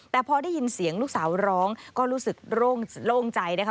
แต่พอได้ยินเสียงลูกสาวร้องก็รู้สึกโล่งใจนะคะ